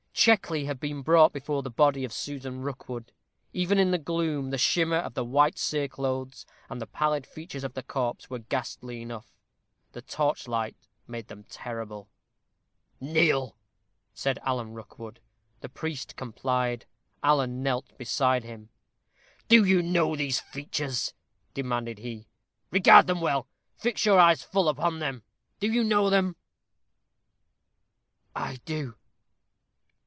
Checkley had been brought before the body of Susan Rookwood. Even in the gloom, the shimmer of the white cereclothes, and the pallid features of the corpse, were ghastly enough. The torchlight made them terrible. "Kneel!" said Alan Rookwood. The priest complied. Alan knelt beside him. "Do you know these features?" demanded he. "Regard them well. Fix your eyes full upon them. Do you know them?" "I do."